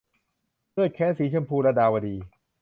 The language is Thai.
เลือดแค้นสีชมพู - ลดาวดี